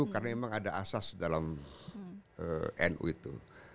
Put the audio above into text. karena memang ada asas dalam nu itu